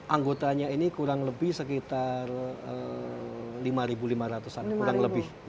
anggotanya ini kurang lebih sekitar lima lima ratus an kurang lebih